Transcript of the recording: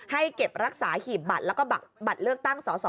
ให้เก็บรักษาหีบบัตรแล้วก็บัตรเลือกตั้งสอสอ